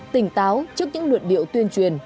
tỉnh táo trước những luận điệu tuyên truyền